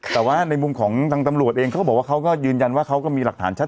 แต่ในมุมของการสู้คดีก็ต้องไปว่ากันป่ะ